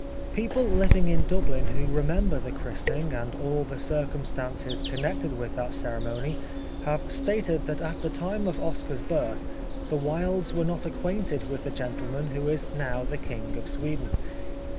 People living in Dublin who remember the christening and all the circumstances connected with that ceremony have stated that at the time of Oscar's birth the Wildes were not acquainted with the gentleman who is now the King of Sweden.